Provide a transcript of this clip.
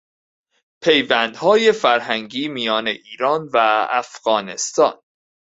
پیوندهای فرهنگی میان ایران و افغانستان